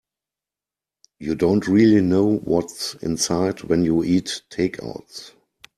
You don't really know what's inside when you eat takeouts.